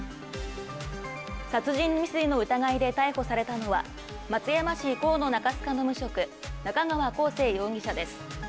殺人未遂の疑いで逮捕されたのは、松山市河野中須賀の無職、中川晃成容疑者です。